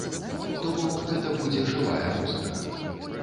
То бок гэта будзе жывая музыка.